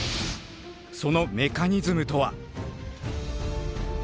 そのメカニズムとは！？